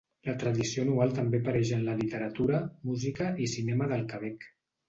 La tradició anual també apareix en la literatura, música i cinema del Quebec.